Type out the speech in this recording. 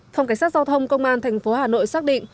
phòng cảnh sát giao thông công an thành phố hà nội xác định